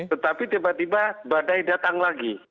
tetapi tiba tiba badai datang lagi